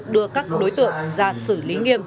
đưa các đối tượng ra xử lý nghiêm